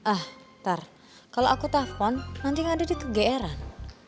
ah ntar kalau aku telfon nanti gak ada di ke gr an